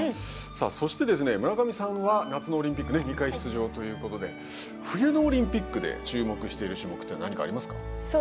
そして村上さんは夏のオリンピック２回出場ということで冬のオリンピックで注目している種目というのは何かありますか？